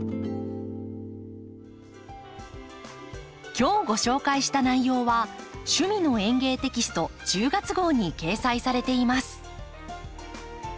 今日ご紹介した内容は「趣味の園芸」テキスト１０月号に掲載されています。